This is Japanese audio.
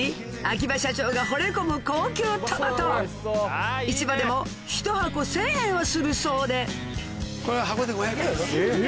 秋葉社長がほれ込む市場でも１箱１０００円はするそうでこれは。